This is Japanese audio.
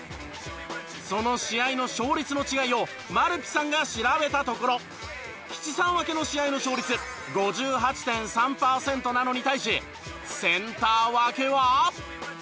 その試合の勝率の違いをまるぴさんが調べたところ七三分けの試合の勝率５８．３パーセントなのに対しセンター分けは。